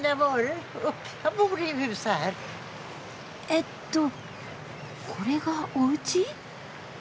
えっとこれがおうち！？